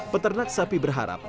peternak sapi berharap